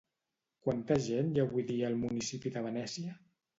Quanta gent hi ha avui dia al municipi de Venècia?